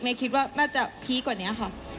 คิดว่าน่าจะพีคกว่านี้ค่ะ